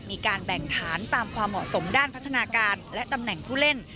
มีการแบ่งฐานตามความเหมาะสมด้านพัฒนาการและตำแหน่งผู้เล่น